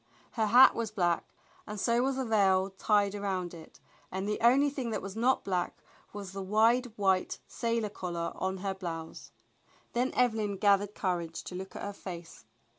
Her hat was black and so was the veil tied around it, and the only thing that was not black was the wide white sailor collar on her blouse. Then Evelyn gathered courage to look at her face.